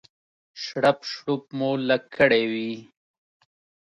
شړپ شړوپ مو لږ کړی وي.